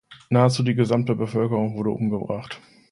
Nahezu die gesamte Bevölkerung wurde umgebracht.